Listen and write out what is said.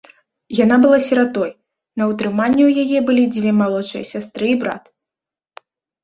Яна была сіратой, на ўтрыманні ў яе былі дзве малодшыя сястры і брат.